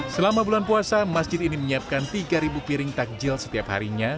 selama bulan puasa masjid ini menyiapkan tiga piring takjil setiap harinya